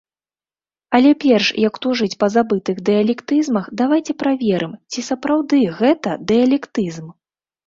Але перш, як тужыць па забытых дыялектызмах, давайце праверым, ці сапраўды гэта дыялектызм.